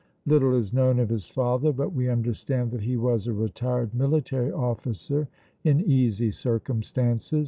"Little is known of his father, but we understand that he was a retired military officer in easy circumstances.